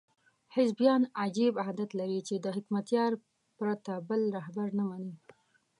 حزبیان عجیب عادت لري چې د حکمتیار پرته بل رهبر نه مني.